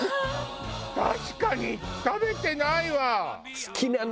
確かに食べてないわ！